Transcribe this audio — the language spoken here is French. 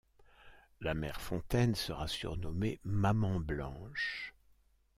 La mère Fontaine sera surnommée maman Blanche.